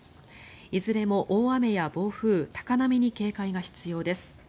いずれも大雨や暴風、高波に警戒が必要です。